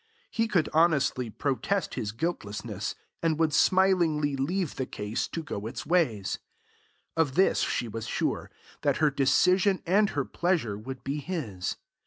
He could honestly protest his guiltlessness, and would smilingly leave the case to go its ways. Of this she was sure, that her decision and her pleasure would be his.